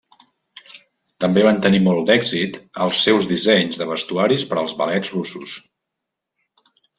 També van tenir molt d'èxit els seus dissenys de vestuaris per als Ballets Russos.